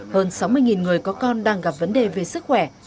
hơn sáu mươi người có con đang gặp vấn đề về sức khỏe